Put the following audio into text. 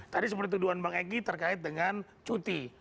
tadi seperti tuduhan bang egy terkait dengan cuti